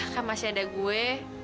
kak masih ada gue